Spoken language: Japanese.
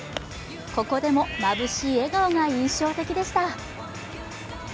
ここでもまぶしい笑顔が印象的でした。